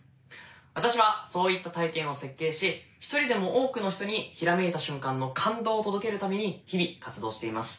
私はそういった体験を設計し一人でも多くの人にひらめいた瞬間の感動を届けるために日々活動しています。